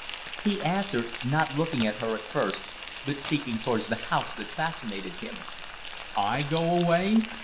He answered, not looking at her at first, but speaking towards the house that fascinated him "I go away!